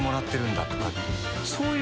そういう。